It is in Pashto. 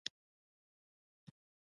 کمپیوټر څه دنده لري؟